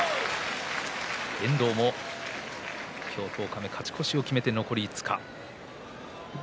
遠藤も十日目に勝ち越しを決めて残り５日。